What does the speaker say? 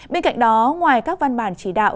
bên cạnh đó ngoài các văn bản chỉ đạo